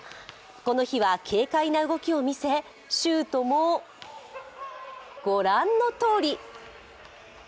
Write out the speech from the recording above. この日は軽快な動きを見せ、シュートも御覧のとおり。